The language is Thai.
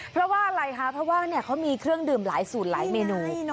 เพราะว่าอะไรคะเพราะว่าเขามีเครื่องดื่มหลายสูตรหลายเมนู